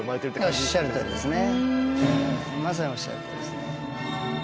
まさにおっしゃるとおりですね。